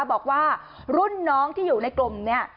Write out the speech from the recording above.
บอกว่ารุ่นน้องที่อยู่ในกลุ่มเนี่ย